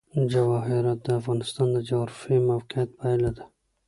جواهرات د افغانستان د جغرافیایي موقیعت پایله ده.